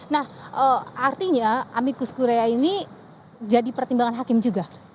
nah artinya amikus kurea ini jadi pertimbangan hakim juga